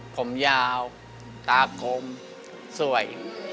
ผมยาวตาคมสวย